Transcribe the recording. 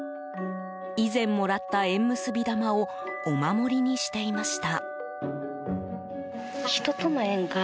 以前もらった縁結び玉をお守りにしていました。